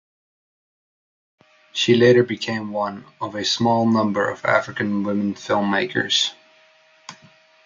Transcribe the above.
She later became one of a small number of African women film makers.